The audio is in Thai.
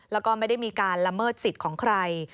แล้วก็ไม่ได้มีการละเมิดสิทธิ์ของใคร